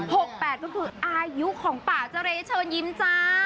แปดก็คืออายุของป่าเจรเชิญยิ้มจ้า